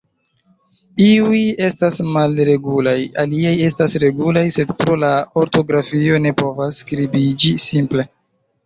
Iuj estas malregulaj; aliaj estas regulaj, sed pro la ortografio, ne povas skribiĝi simple.